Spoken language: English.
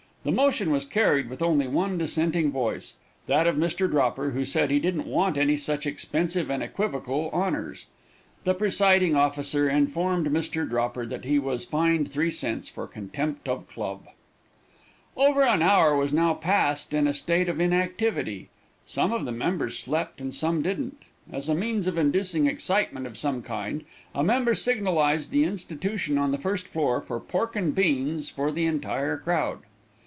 The motion was carried with only one dissenting voice that of Mr. Dropper, who said he didn't want any such expensive and equivocal honors. The presiding officer informed Mr. Dropper that he was fined three cents for contempt of club. Over an hour was now passed in a state of inactivity. Some of the members slept and some didn't. As a means of inducing excitement of some kind, a member signalized the institution on the first floor for pork and beans for the entire crowd.